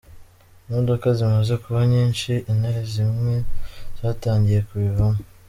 Imodoka zimaze kuba nyinshi, intare zimwe zatangiye kubivamo.